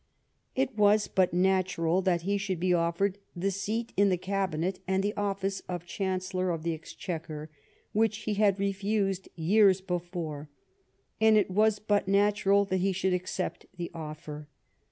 It was but natural that he should be offered the seat in the Cabinet and office of Chancellor of the Exchequer, which he had refused years before, and it was but natural that he should accept the offer.